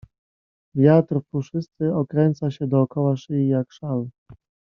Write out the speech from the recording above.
Wiatr puszysty okręca się dookoła szyi, jak szal.